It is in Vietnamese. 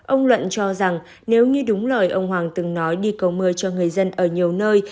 ông luận cho rằng nếu như đúng lời ông hoàng từng nói đi cầu mưa cho người dân ở nhiều nơi